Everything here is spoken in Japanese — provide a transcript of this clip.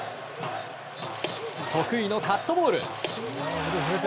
得意のカットボール。